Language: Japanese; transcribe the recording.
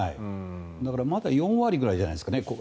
だからまだ４割くらいじゃないですかね。